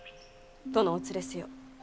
殿をお連れせよ。